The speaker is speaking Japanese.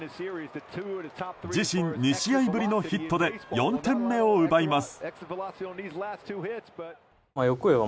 自身２試合ぶりのヒットで４点目を奪います。